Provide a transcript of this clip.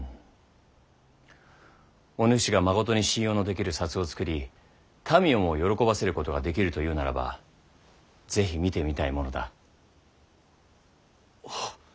お主がまことに信用のできる札を作り民をも喜ばせることができるというならば是非見てみたいものだ。